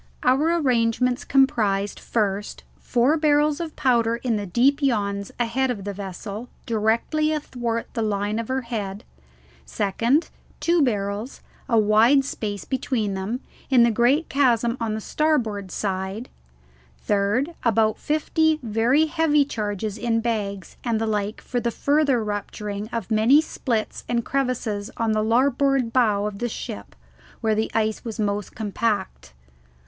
Our arrangements comprised, first, four barrels of powder in deep yawns ahead of the vessel, directly athwart the line of her head; second, two barrels, a wide space between them, in the great chasm on the starboard side; third, about fifty very heavy charges in bags and the like for the further rupturing of many splits and crevices on the larboard bow of the ship, where the ice was most compact.